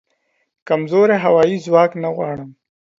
کمزوری هوایې ځواک نه غواړم